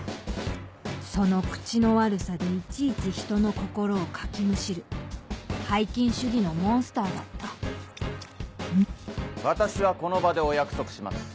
その口の悪さでいちいちひとの心をかきむしる拝金主義のモンスターだった私はこの場でお約束します。